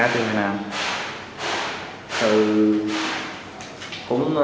thu nhiều không